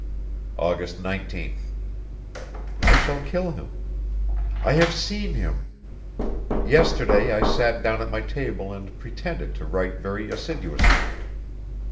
August 19th. I shall kill him. I have seen him! Yesterday I sat down at my table and pretended to write very assiduously.